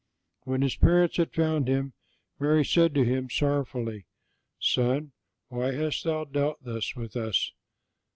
When His parents had found Him, Mary said to Him, sorrowfully, "Son, why hast Thou dealt thus with us?